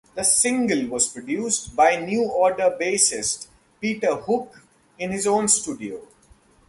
The single was produced by New Order bassist Peter Hook in his own studio.